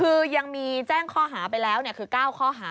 คือยังมีแจ้งข้อหาไปแล้วคือ๙ข้อหา